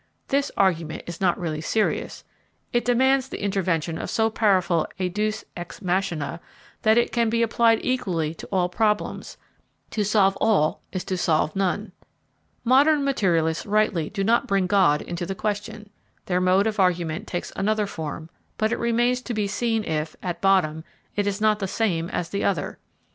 This argument is not really serious; it demands the intervention of so powerful a Deus ex machina, that it can be applied equally to all problems; to solve all is to solve none. Modern materialists rightly do not bring God into the question. Their mode of argument takes another form; but it remains to be seen if, at bottom, it is not the same as the other.